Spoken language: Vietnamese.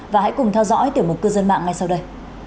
và hãy cùng theo dõi tiểu mục cư dân mạng ngay sau đây